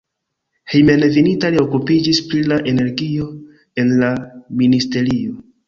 Hejmenveninta li okupiĝis pri la energio en la ministerio.